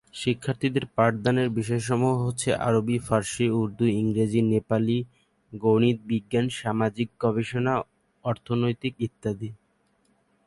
শিক্ষার্থীদের পাঠদানের বিষয়সমূহ হচ্ছে: আরবি, ফার্সি, উর্দু, ইংরেজি, নেপালি, গণিত, বিজ্ঞান, সামাজিক গবেষণা, অর্থনৈতিক ইত্যাদি।